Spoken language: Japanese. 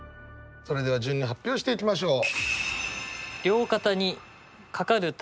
それでは順に発表していきましょう。